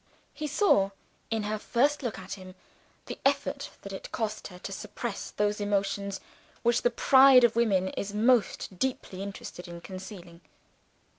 He saw, in her first look at him, the effort that it cost her to suppress those emotions which the pride of women is most deeply interested in concealing.